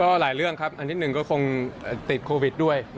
ก็หลายเรื่องครับอันที่๑ก็คงติดโควิดด้วย